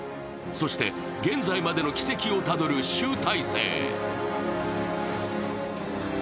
そして、現在までの軌跡をたどる集大成。